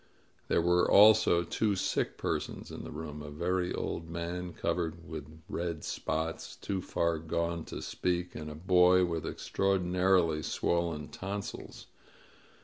There were also two sick persons in the room — a very old man covered with red spots, too far gone to speak, and a boy with extraordinarily swollen tonsils.